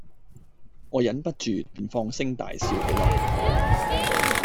我忍不住，便放聲大笑起來，